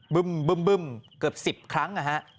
บึ้มบึ้มบึ้มเกือบ๑๐ครั้ง